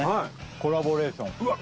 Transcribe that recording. コラボレーションうわっ